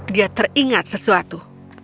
dia teringat sesuatu